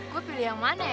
gue pilih yang mana ya